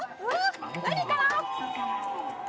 何かな？